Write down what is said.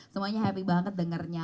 semuanya happy banget dengernya